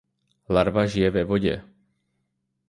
Larva žije ve vodě.